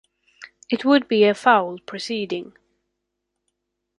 It would be a fowl proceeding.